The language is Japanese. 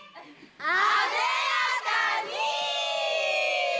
艶やかに！